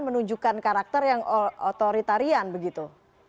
menunjukkan karakter yang otoritarian begitu